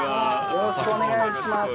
よろしくお願いします。